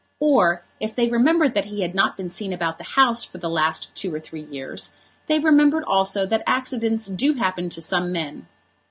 Or if they remembered that he had not been seen about the House for the last two or three years they remembered also that accidents do happen to some men.